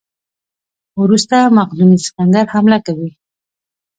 وروسته مقدوني سکندر حمله کوي.